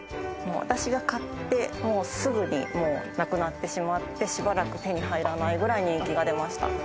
私が買ってすぐになくなってしまって、しばらく手に入らないくらい人気が出ました。